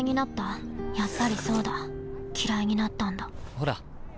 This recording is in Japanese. ほら。